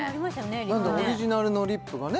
リップねオリジナルのリップがね